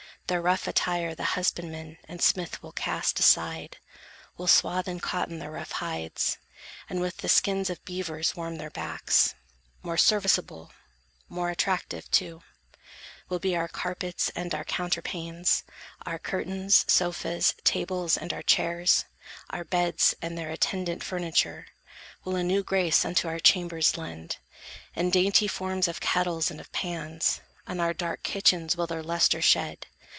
Their rough Attire the husbandman and smith will cast Aside, will swathe in cotton their rough hides, And with the skins of beavers warm their backs. More serviceable, more attractive, too, Will be our carpets and our counterpanes, Our curtains, sofas, tables, and our chairs; Our beds, and their attendant furniture, Will a new grace unto our chambers lend; And dainty forms of kettles and of pans, On our dark kitchens will their lustre shed.